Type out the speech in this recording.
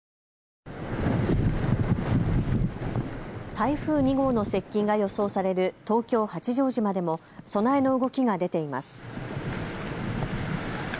台風２号の接近が予想される東京八丈島でも備えの動きが出ています。